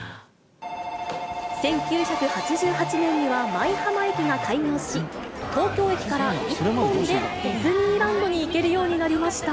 １９８８年には舞浜駅が開業し、東京駅から１本でディズニーランドに行けるようになりました。